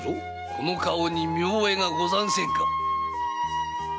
この顔に見覚えがございやせんか？